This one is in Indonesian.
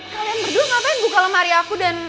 kalian berdua ngapain buka lemari aku dan